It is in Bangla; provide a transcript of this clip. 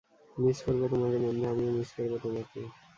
মিস করবো তোমাকে বন্ধু - আমিও মিস করবো তোমাকে।